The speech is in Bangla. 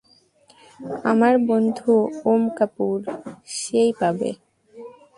আমার বন্ধু ওম কাপুর, সেই পাবে।